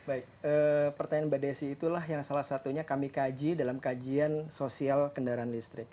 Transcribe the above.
baik pertanyaan mbak desi itulah yang salah satunya kami kaji dalam kajian sosial kendaraan listrik